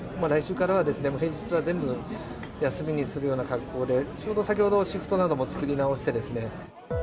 来週からはもう平日は全部休みにするような格好で、ちょうど先ほど、シフトなども作り直してですね。